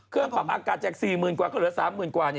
เครื่องปรับอากาศจาก๔๐๐๐กว่าก็เหลือ๓๐๐๐กว่า